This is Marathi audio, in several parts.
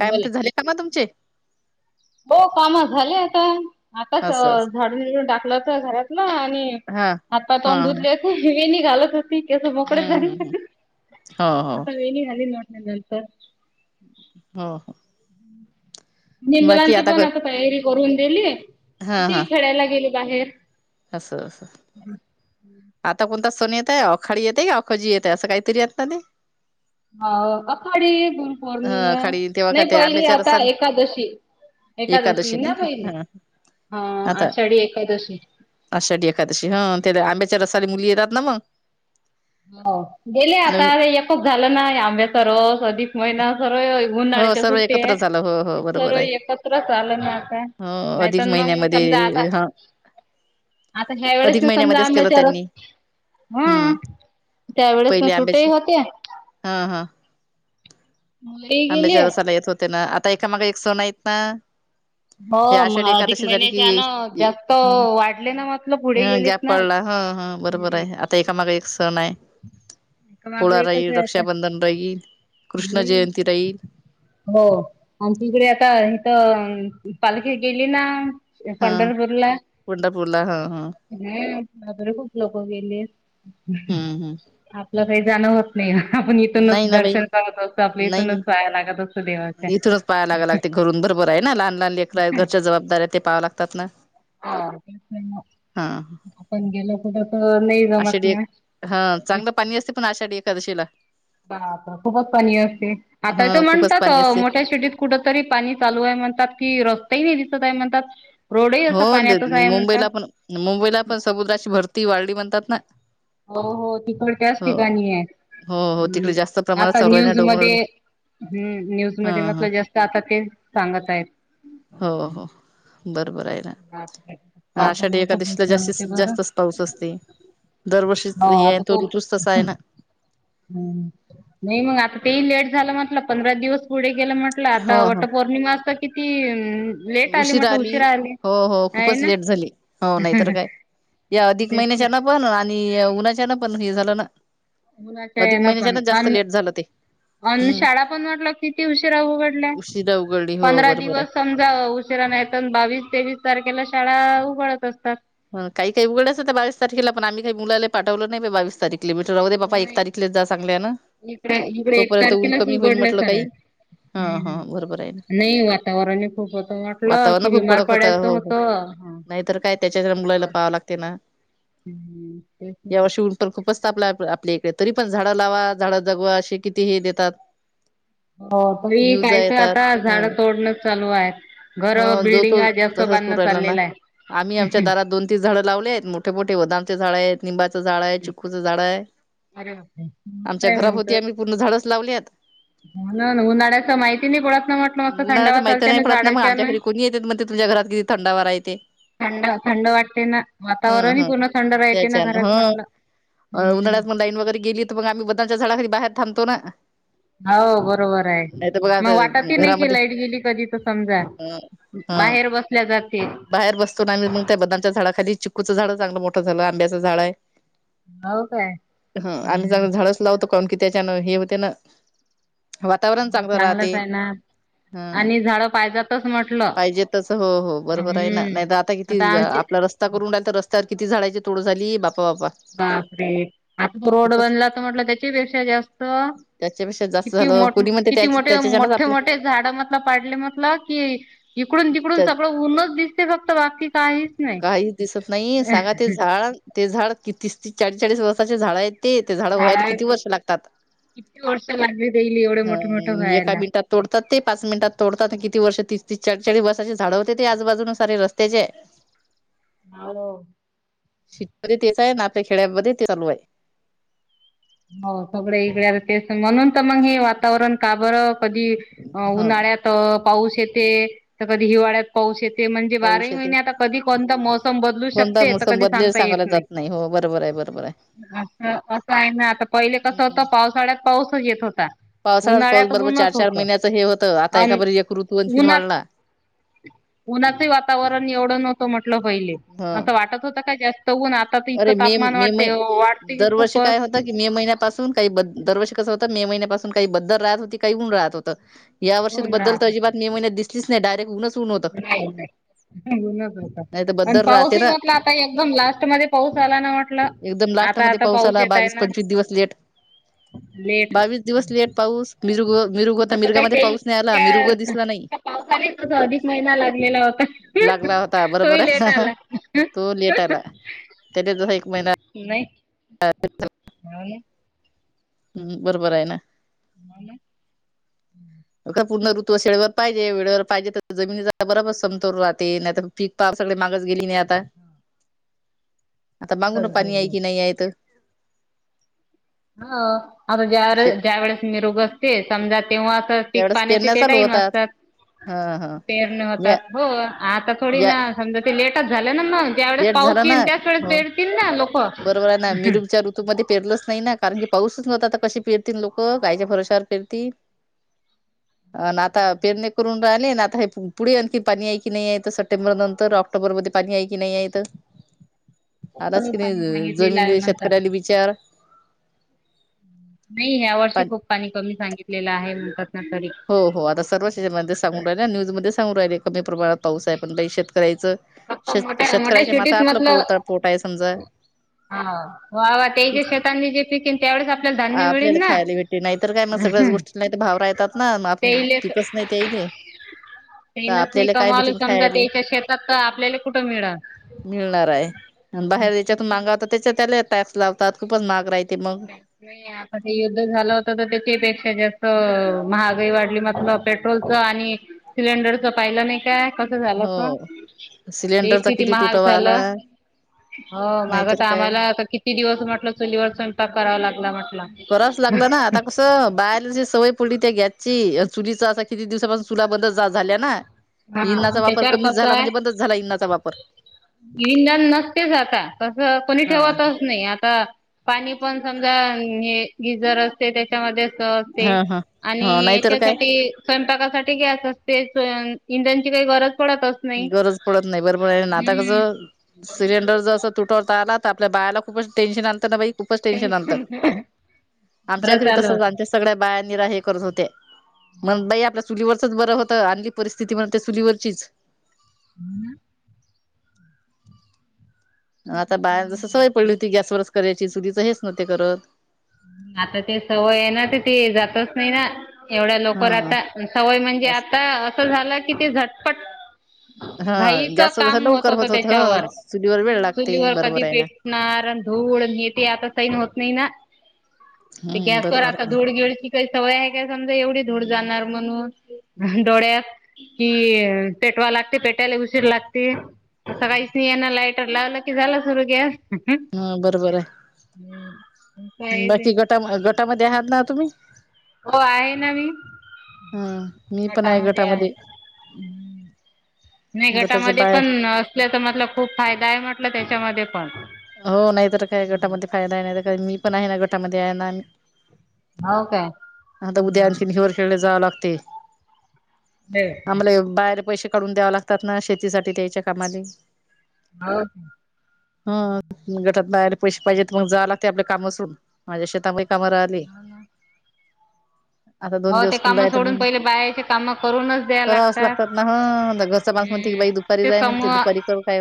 काम ते झाले का म तुमचे? हो काम झाली आता. आताच असं असं झाडून विडून टाकलं होत घरातलं आणि हां. हातपाय हां, तोंड हां. दुधले होते वेणी घालत होती केस मोकळे हं, झाले हं, हं. होते हो, हो. आता वेणी घालीन म्हटलं नंतर. हो हो. मी बाकी मुलांची पण क आता तयारी करून दिली आणि ती खेळायला गेली बाहेर. अस अस. आता कोणता सण येतय आखाडी येते की अखोजी येते असं काहीतरी असत नई. हो अखाडी हं, गुरुपौर्णिमा आखाडी तेव्हा का नाही ते पहिली आंब्याच्या आता रसाने एकादशी. एकादशी नाही ना का? पहिले. हां. हां आता आषाढी एकादशी. त्याला सारी मुली येतात ना मग? हो गेले आता नवीन. एक खोप झालं ना आंब्याचा रस अधिक महिना. सर्व हो, ऊन्हाळ्याच्या सर्व एकत्र सुट्ट्या झालं. हो, हो. बरोबर सर्व आहे. एकत्रच आलं ना आता हो, नाहीतर अधिक न महिन्यामध्ये हां आता ह्या अधिक वेळेस ना समजा महिन्यामध्येच केल आंब्याचा रस त्यांनी हम्म. त्या वेळेस म सुट्टी ही होत्या. हां, हां. मुलंही गेली. ते ना आता एकामागे एक सण आहेत ना. हो हे मग आषाढी अधिक एकादशी झाली महिन्याच्या की ना जास्त हां वाढले ना म्हटलं पुढे हां गेलेच गॅप ना पडला हां हां बरोबर हम्म आहे आता एकामाग एक सण आहे. माग पोळा एकच राहील आहे आता रक्षाबंधन राहील कृष्ण हम्म जयंती राहील. हो आणि तिकडे आता हिथ पालखी गेली ना त्या हा पंढरपूरला पंढरपूरला हा हा हम्म. म बर खूप लोक गेले हम्म आपलं काही जाणं होत नाही. आपण हम्म इथूनच नाही ना बाई दर्शन करत असतो आपल्या इथूनच नाही पाया लागत असतो. देवाच्या. इथूनच पाहा लागवं लागते घरून बरोबर आहे ना लहान लहान लेकर आहेत घरच्या जबाबदाऱ्या ते पाहाव्या लागतात ना. हा आपण गेलो कुठं तर नाही जमत आषाढी एक ना. हा चांगलं पाणी असते पण आषाढी एकादशीला. बा खूपच पाणी असते आता तर हा खूपच म्हणतात पाणी असते मोठ्या सिटीत कुठ तरी पाणी चालू आहे. म्हणतात की रस्तेही नाही दिसतय म्हणतात. रोडही हो असा पाण्यातच आहे म्हणतात. मुंबईला पण मुंबईला पण समुद्राची भरती वाढली म्हणतात ना. हो हो तिकड त्या्च हो ठिकाणी हो हो तिकडे आहे् जास्त प्रमाणात आता चालू आहे ना न्यूज डोंगर मदे हम्म न्यूज ह मध्ये ह म्हटलं जास्त आता ते सांगत आहेत. हो हो बरोबर आहे. बापरे! आाषाढी पावसामुळे खूप एकादशीला नुकसान जास्तीत होते बरं जास्तच पाऊस असते. दरवर्षी हे आहे तो ऋतूच तसा आहे ना. हम् नाही मग आता ते लेट झाल म्हटलं पंधरा दिवस पुढे गेलं म्हटलं हो आता हो वटपौर्णिमा तर किती लेट आली उशीर म्हटलं उशीरा आली. हो हो आहे खूपच ना लेट झाली हो नाहीतर काय. या अधिक महिन्याच्या ना पण आणि उन्हाच्या ना पण हे झालं ना. अधिक महिन्याच्यान जास्त लेट झालं ते‌. अ शाळा पण वाटल किती उशिरा उघडल्या उशिरा उघडली हो पंधरा बरोबर आहे दिवस समजा बावीस तेवीस तारखेला शाळा उघडत असतात. काही काही उघडचं त्या बावीस तारखेला पण आम्ही मुला पाठवलं नाही बावीस तारीख किलोमीटर राहू दे बापा एक नाही तारीखलेच जा चांगला आहे ना इकडे तोपर्यंत ऊन कमी होईन म्हटलं काही हा हा हम् ह बरोबर आहे ना नाही वातावरणने खूप होत म्हटलं वातावरण कि खूप बिमार कडक होतं पडायचं हो होत. हो नाहीतर काय त्याच्या मुलाला पाहावं लागते ना हम्म तेच यावर्षी उन तर खूप जास्त आपल्या इकडे तरी पण झाडं लावा झाडं जगवा असे किती हे देतात. हो तरी न्यूजा काहीच येतात आता ह झाड तोडणं चालू आहेत. घर ह व जो बिल्डिंग तो जास्त तसच करू बांधणं राहिला ना चाललेलं आहे. आम्ही आमच्या दरात दोन तीन झाडं लावले आहेत मोठे मोठे बदामचे झाड आहेत निंबाचं झाड आहे चिक्कूचं झाड आहे अरे बापरे! मग आमच्या काय म्हणत घरापभोवती आम्ही पूर्ण झाडच लावल्यात. ना उन्हाळ्याच माहिती नाही गळात न म्हटलं मस्त उन्हाळ्याच थंडावा माहिती चालते नाही ना पडत झाडा मग आमच्या घरी कोणी येत मग ते तुमच्या घरात किती थंडवारा हाय. थंड थंड वाटते ना वातावरणही हं पूर्ण थंड राहते ना त्याच्यान घरात हं म्हटलं. अ हम्म उन्हाळ्यात मग लाईट वगैरेली तर मग आम्ही बदांच्या झाडाखारी बाहेर थांबतो ना‌. हो बरोबर आहे मग वाटत नाही की लाईट गेली कधी समजा अ हा बाहेर बसल्या जाते. बाहेर बसतो ना आम्ही मग त्या बदामच्या झाडाखाली. चिक्कूचं झाड चांगलं मोठं झालं आंब्याचं झाड आहे. हो काय ह आणि ही चांगलं झाडच लावतो तेच्या न कि हे होते ना. वातावरण चांगलं चांगलंच राहते आहे ना हम. आणि झाडं पाहिजातच म्हटलं पाहिजे तस हो हो बरोबर आहे ना हम्म नाही तर आता किती आपला रस्ता करूनडाल तर रस्ता तर किती झाडाची तोड झाली बा बाप रे आता रोड खूपच बनला तर म्हटलं त्याचीपेक्षा जास्त त्याच्यापेक्षा जास्त किती झालं मो कोणी म्हणते त्या किती मोठे त्याच्याच्यानच मोठे आपले मोठे झाड मधलं पाडले मग की इकडून तिकडून त्या सगळं ऊनच दिसते फक्त बाकी काहीच नाही काही दिसत नाही सांगा ते झाड ते झाड कितीस तीस चाळीस चाळीस वर्षांचे झाड आहेत. ते य ते झाडं व्हायला झाड किती वर्ष लागतात? किती वर्ष लागली देईल एवढे हा मोठे मोठे एका व्हायला मिनिटात तोडतात ते पाच मिनिटात तोडतात किती वर्ष तीस तीस चाडचडी बसाचे झाड होते. ते आजू बाजून सारे रस्त्याचे, हो, सिटीमध्ये तेच आहे. आणि आपल्या खेड्यामध्ये ते चालू आहे. हो सगळ इगड ते हे म्हणून तर मग हे वातावरण काबर, कधी ह अउन्हाळ्यात पाऊस येते तर कधी हिवाळ्यात पाऊस येते, ते म्हणजे पाऊस बाराही येते महिने आता कधी कोणता मोसम बदलू कोणता शकते तर कधी सांगता येत नाही. बरबर आहे. असं असं आहे ना आता पहिले कसं होतं पावसाळ्यात पाऊसच येत होता. पावसाळाच पाऊस उन्हाळ्यात बरोबर चार ऊनच चार होतं महिन्याचं हे होतं आता एका बरबर एक ऋतू आणखीन वाढला. उनाचही वातावरण एवढं नव्हतं म्हटलं पहिले ह असं वाटत होतं का जास् त उन आता तर अरे इतकं मे तापमान मे वाटत मै हो वाटत की खूप, पासून काही ब दरवर्ष कसं होतं मे महिन्यापासून काही बद्दल राहत होती काही ऊन राहत होतं या वर्षी बद्दल मे महिन्यात दिसलीच नाही डायरेक्ट उन्हस उनच नाही तर होत बद्दल राहते पाऊसही ना. म्हटलं आता एकदम लास्टमध्ये पाऊस आला ना म्हटलं एकदम लास्ट आता मध्ये आता पाऊस आला येत आहे बावीस ना पंचवीस दिवस लेट लेट बावीस दिवस लेट पाऊस मिरुग मिरुग होता मिरगामध्येध्ये पाऊस नाही आला मिरुग दिसला नाही पावसाळी महिना लागलेला होता लागला होता बरोबर तोही आहे ना, लेट आला तो लेट आला त्याच्या तस एक महिना हम्म बरोबर आहे ना हाना अका पूर्ण ऋतु वेडे वर पाहिजे वेळेवर पाहिजे तर जमनीचा बरोबर समतोर राहते नाही तर पीक पा सगळे मागस गेली आता आता मागून ना पाणी आहे की नाही आहे तर ह आता ज्याळे ज्या वेळेस मी रोग असते समजा तेव्हा तर पीक त्यावेळेस पाण्याचे पेरण्या ते चालू टाईम होतात असतात हा हा पेरणे या होतात हो आता थोडी या ना समजा ते लेटच झाली लेट झाला ना हो पेरतील ना लोक बरोबर आहे ना मिरूपच्या ऋतूमध्येपेरलंच नाही ना कारण की पाऊसच नव्हता आता कशी फिरतील लोक काायच्या भरोसावर फिरतील अ आता पेरणे करून राहिले ना आता हे पुढे आणखी पाणी आहेय की नाही आहे तर सप्टेंबर नंतर ऑक्टोबरमध्ये पाणी आहे. कि नाही आहे तर आताच कमी कि पाणी नाही सांगितलेलं जमीन आहे म्हणतात शेतकऱ्याली विचार नाही ह्या वर्षी खूप पाणी कमी सांगितलेलं आहे ना तरी. हो हो आता सर्वच्याच्यामध्ये सांगून राहिल न्यूजमध्ये सांगू राहिले कमी प्रमाणात पाऊस आहे पण लै शेत करायच श शेतकऱ्याच्या माथा आपलं पो पोट आहे समजा ह वा वा ते ती जे शेतांनी जे पिकेन त्यावेळेसआपल्याला धान्य मिळेल आपल्याला ना खायला भेटते नाही तर काय मग सगळ्याच गोष्टींना इथ भाव रायतात. न मान तेले पिकस नाही तेईले, त तेनच नाही आपल्याला काय कमावलं भेटन समजा खायले. त्याच्या शेतात तर आपल्याला कुठं मिळल. मिळणार आहे आणि बाहेर याच्यातून मगा व तर त्याच्यात. त्याले टॅक्स लावतात खूपच माहग राही नाही आता ते युद्ध झालं होत, तर त्याच्याही पेक्षा जास्त, तअ महागाई वाढली मातलं पेट्रोलचं आणि सिलेंडरच पाहिलं नाही का, कस झालं का, हो ते सिलेंडरचा किती महाग तुटवा आला झालं. हो माग नाहीतर तर काय आम्हाला आता किती दिवस म्हटलं चुलीवर स्वयंपाक करावा लागला म्हट करावच लागलं ना आता कसं बाहेरची सवय पडी त्या गॅसची चुलीच अस किती दिवसापासून चुला बंद झा झाल्या ना, हा इंणाचा आणि वापर त्याच्यावर कमीच झाला, म्हणजे बंदच झाला इंणाचा वापर. इंधान नसतेच आता तस कोणी हा ठेवतच हा नाही आता पाणी पण, समजा हे गिझर असते त्याच्यामध्ये, असते हा हा हा आणि नाहीतर काय याच्यासाठी स्वयंपाकासाठी गॅस असते स्वयं इंधणची काही गरज, पडतच नाही गरज पडत नाही बरबर हे अन आत्ता कस सिलेंडर ज असं तुटवता आला त आपल्या बायाला खूपच टेनशन आणत ना बा खूपच टेन्शन आमच्या बरं घरी चालू त होत आमच्या सगळ्या बा रा हे करत होते मण बाई आपल्या चुलीवरचच बरं होतं अ आणली परिस्थिती म्हण ते चुलीवरचीच हम् आता बाहेर जस सवय पडली होती गॅसवरच करायची चुरीच हेच नवते करत आता ते सवय आहे ना तर ते जातच नाही ना एवढ्या लोक हा. आता सवय म्हणजे असं. आता असं झालं कि ते झटपट ह हं घाईचं गॅसचा जस काम लवकर होत होतं होत ह त्याच्यावर चुलीवर वेळ लागते बरोबर आहे ना घेते आता सैन होत नाही ना ते हम्म गॅसवर बरोबर आता आहे ना धूड गिळची का सवय आहे काय समजा एवढी धूड हम्म. जाणार म्हणून ह डोळ्या कि पेटवा लागते पेटायला उशीर लागते स हम्म काहीच नाही यांना लायटर लावलं झालं सुरू के्या ह बरोबर बाकी गटा गटामध्ये आहात ना तुम्ही हो आहे ना हा मी पण मीटामध्ये आहे गटामध्ये. नाही गटाच्या गटामध्ये बाय पण असल्याच मटल खूप फायदा आहे म्हटलं त्याच्यामध्ये पण हो नाही तर काय गटामध्ये फायदा आहे नाही तर मी पण आहे ना गटामध्ये आहे ना आता उद्या आणखीन हिर खेळले जावं लागते आम्हाला बाहेर पैसे काढून द्याव लागतात ना शेतीसाठीठी त्यायच्या कामाली हा ह गटात बाहेयला पैसे पाहिजेत तर मग जालाग ते आपल्या कामाातून माझ्या शेतामध्ये कमरा आली आता दोन हो ते दिवस खुल्ला काम य सोडून पहिले बायाचे काम करूनच द्याय करावाच लागतात ना ह घरचा पा म्ह ठी हम्म बाई दुपारी ते जाय म्हणते समूह दुपारी करू काय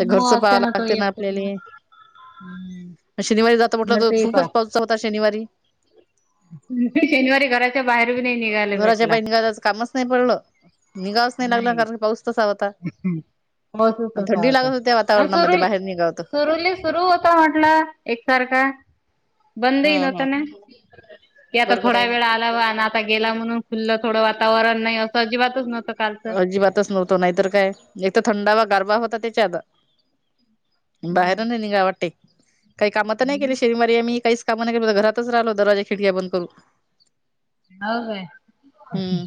तर घरचं पाहां असते तो लागते ना एक पूर्ण आपल्याला शनिवारी जात म्हटलं तर घरच एक खूपच पावसाचा होता शनिवारी शनिवारी घराच्या बाहेर बी नाही निघायला घराच्या भेटला बा निघाजचं कामच नाही पडलं निघावच नाही लागला कारण पाऊस त पाऊसच तसा थंडी होता लागत होत्या आणि सुरू वातावरणामध्ये बाहेर निघ सुरुली सुरू होता म्हटलं एकसारखा बंद इन वा हम्म हम्म तना की आता बरोबर थोडा आहे ना. वेळ आलावा आणि आता गेला म्हणून खुल्लं थोडं वातावरण नाही असं अजिबातच नव्हतं कालचं अजिबातच नव्हतो नाहीतर काय एक तर थंडावा गारबा होता त्याच्या आत बाहेरून नि गा वाट टे काही कामं तर नाही केली शनिारी आम्ही काहीच कामं नाही केलो घरातच राहिलो दरवाजा खिडक्या बंद करू हो होय ह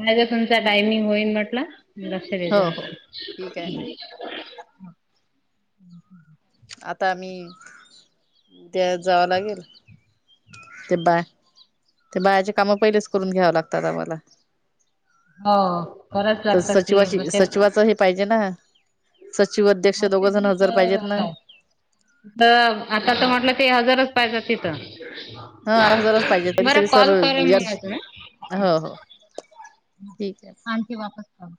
माझर तुमचा टायमिंग होईल म्हटला हो दसे हो व ठीक आहे ना ह आता आम्ही उद्या जावं लागेल ते बाय ते बायाचे कामं पहिलेच करून घ्याव लागतात आम्हाला त सचिवाची सचिवाच हे पाहिजे ना. सचिव अध्यक्ष दोघ जण हजर पाहिजेत ना त आता त पल ते हजरच पाहिजे तिथं हा हजारच पाहिजे तरी बरं तरी सर कॉल कर मंग हो अजून हो हा. ठीक आहे. आंटी वापस पा